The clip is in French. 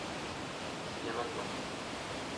c'est bien maintenant.